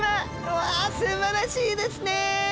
うわすばらしいですね！